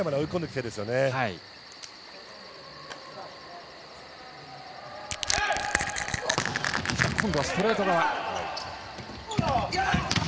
西田、今度はストレート側。